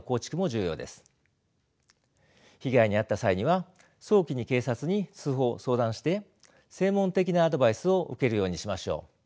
被害に遭った際には早期に警察に通報相談して専門的なアドバイスを受けるようにしましょう。